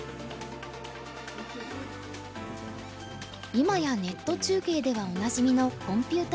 今やネット中継ではおなじみのコンピューター画面。